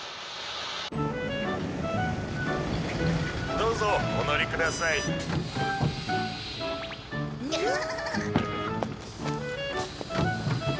「どうぞお乗りください」ウフフフ。